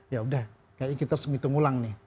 ya udah kayaknya kita harus menghitung ulang nih